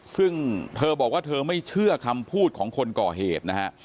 ซึ่งเธอบอกว่าเธอไม่เชื่อคำพูดของคนก่อเหตุนะฮะ